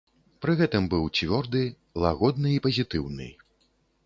Пры гэтым быў цвёрды, лагодны і пазітыўны.